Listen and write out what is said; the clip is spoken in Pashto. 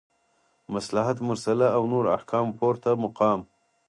مصلحت مرسله او نورو احکامو پورته مقام